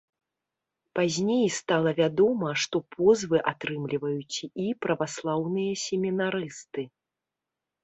Пазней стала вядома, што позвы атрымліваюць і праваслаўныя семінарысты.